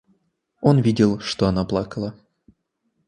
Он видел, что она плакала.